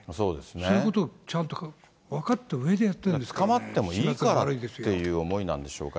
そういうことをちゃんと分か捕まってもいいからっていう思いなんでしょうか。